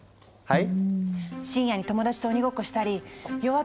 はい！